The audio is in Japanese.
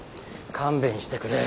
勘弁してくれ。